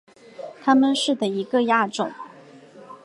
它们是的一个亚种。